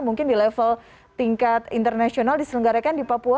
mungkin di level tingkat internasional diselenggarakan di papua